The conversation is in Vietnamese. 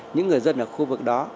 những người dân ở khu vực đó